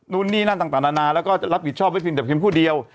นู่นนี่นั่นต่างนานาแล้วก็รับผิดชอบไว้เพียงแต่เพียงผู้เดียว